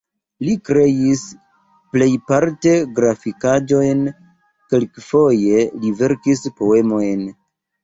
Li kreis plejparte grafikaĵojn, kelkfoje li verkis poemojn.